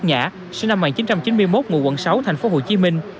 nhã sinh năm một nghìn chín trăm chín mươi một ngụ quận sáu thành phố hồ chí minh